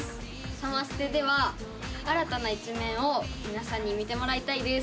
サマステでは新たな一面を皆さんに見てもらいたいです。